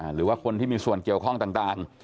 หรือว่าคนที่มีส่วนเกี่ยวข้องต่าง